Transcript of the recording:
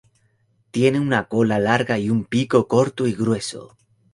Tiene una cola larga y un pico corto y grueso.